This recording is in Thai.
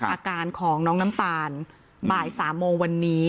อาการของน้องน้ำตาลบ่าย๓โมงวันนี้